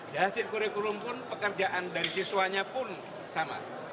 dari hasil kurikulum pun pekerjaan dari siswanya pun sama